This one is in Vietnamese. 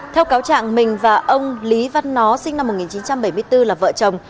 theo cáo trạng mình và ông lý văn nó sinh năm một nghìn chín trăm bảy mươi bốn là vợ chồng